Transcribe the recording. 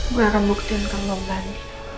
gue akan buktiin kamu kembali